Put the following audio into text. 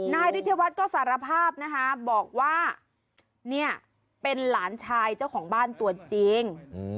นายฤทธิวัฒน์ก็สารภาพนะคะบอกว่าเนี่ยเป็นหลานชายเจ้าของบ้านตัวจริง